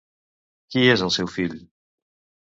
Qui és el seu fill?